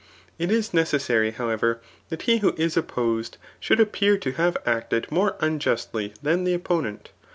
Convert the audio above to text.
It is necessary^ howeva', that he who is opposed should appear to have acted more unjustly than the opponent